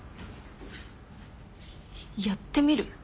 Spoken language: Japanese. やってみる？